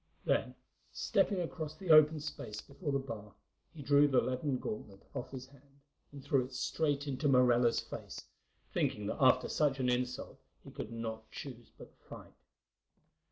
Then, stepping across the open space before the bar, he drew the leathern gauntlet off his hand and threw it straight into Morella's face, thinking that after such an insult he could not choose but fight.